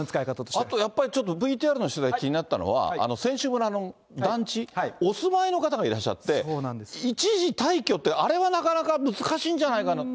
あとちょっとＶＴＲの取材で気になったのは、選手村の団地、お住まいの方がいらっしゃって、一時退去って、あれはなかなか難しいんじゃないかなと。